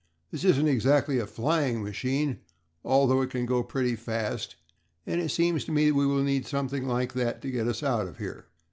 This isn't exactly a flying machine, although it can go pretty fast, and it seems to me that we will need something like that to get us out of here."